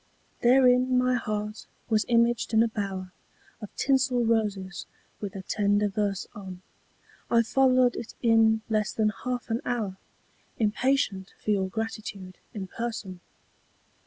Therein my heart was imaged in a bower Of tinsel roses, with a tender verse on ; I followed it in less than half an hour Impatient for your gratitude in person.